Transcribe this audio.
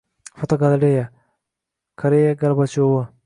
Fotogalereya: Koreya Gorbachyovi